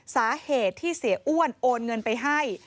สาเหตุที่เสียอ้วนโอนเงินไปให้